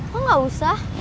kok gak usah